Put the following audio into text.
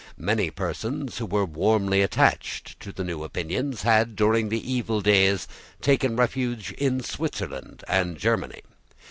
Many persons who were warmly attached to the new opinions had, during the evil days, taken refuge in Switzerland and Germany.